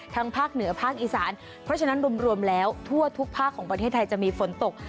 ภาคเหนือภาคอีสานเพราะฉะนั้นรวมแล้วทั่วทุกภาคของประเทศไทยจะมีฝนตก